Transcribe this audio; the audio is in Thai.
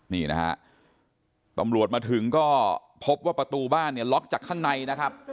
นี่นะฮะตำรวจมาถึงก็พบว่าประตูบ้านเนี่ยล็อกจากข้างในนะครับ